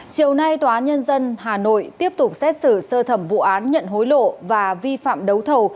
chiều nay tòa nhân dân hà nội tiếp tục xét xử sơ thẩm vụ án nhận hối lộ và vi phạm đấu thầu